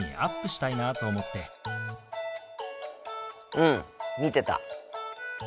うん見てた。